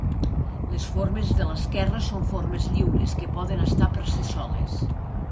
Les formes de l'esquerra són formes lliures, que poden estar per si soles.